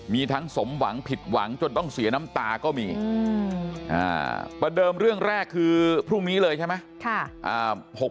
มีทั้งสมหวังผิดหวังจนต้องเสียน้ำตาก็มีประเดิมเรื่องแรกคือพรุ่งนี้เลยใช่ไหม